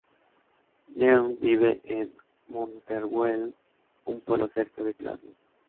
Leung vive en Motherwell, un pueblo cerca de Glasgow.